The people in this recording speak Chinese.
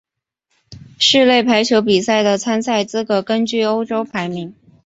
室内排球比赛的参赛资格根据欧洲排名。